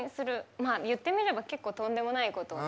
まあ言ってみれば結構とんでもないことをね。